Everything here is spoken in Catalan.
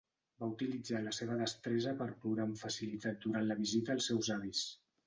Va utilitzar la seva destresa per plorar amb facilitat durant la visita als seus avis.